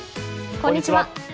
こんにちは。